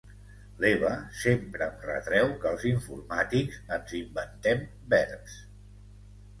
L'Eva sempre em retreu que els informàtics ens inventem verbs.